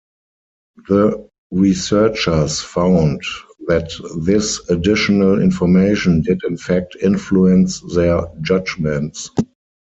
The researchers found that this additional information did in fact influence their judgements.